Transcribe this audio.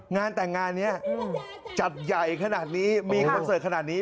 งานแต่งงานนี้จัดใหญ่ขนาดนี้มีคอนเสิร์ตขนาดนี้